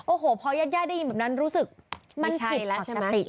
โอ้โหพอแยกได้ยินแบบนั้นรู้สึกมันผิดปกติแล้ว